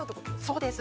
◆そうです。